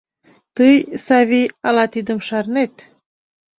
Тый, Савий, ала тидым шарнет?